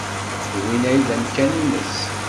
D win ay d amkan-nnes.